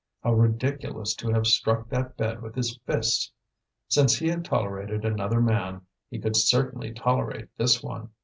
How ridiculous to have struck that bed with his fists! Since he had tolerated another man, he could certainly tolerate this one.